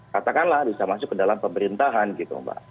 katakanlah bisa masuk ke dalam pemerintahan gitu mbak